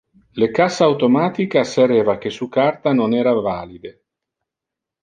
le cassa automatic assereva que su carta non era valide.